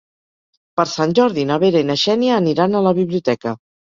Per Sant Jordi na Vera i na Xènia aniran a la biblioteca.